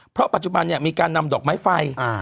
เพราะปัจจุบันมีการนำดอกไม้ไฟ